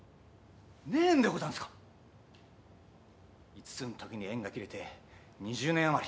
五つの時に縁が切れて二十年あまり。